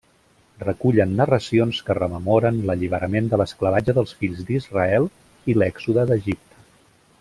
Recullen narracions que rememoren l'alliberament de l'esclavatge dels fills d'Israel i l'Èxode d'Egipte.